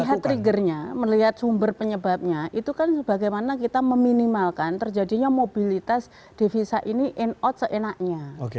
melihat triggernya melihat sumber penyebabnya itu kan bagaimana kita meminimalkan terjadinya mobilitas devisa ini in out seenaknya